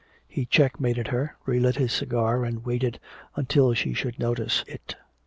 He checkmated her, re lit his cigar and waited until she should notice it.